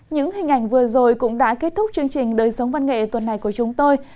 những hình ảnh vừa rồi cũng đã kết thúc chương trình đời sống văn nghệ tuần này của chúng tôi